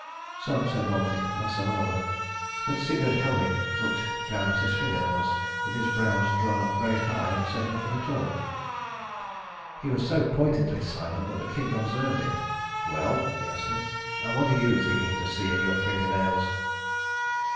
Some said one thing, and some another. But Sigurd Helming looked down at his finger nails with his brows drawn up very high, and said nothing at all. He was so pointedly silent that the king observed it. "Well," he asked him, "and what are you thinking to see in your finger nails?"